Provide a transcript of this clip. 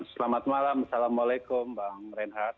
selamat malam assalamualaikum bang reinhardt